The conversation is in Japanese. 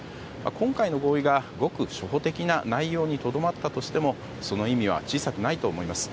今回の合意がごく初歩的な内容にとどまったとしてもその意味は小さくないと思います。